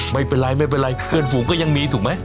ไม่เป็นไรเพื่อนฝูงก็ยังมีถูกไหม